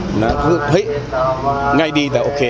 เฮ้ยง่ายดีแต่โอเค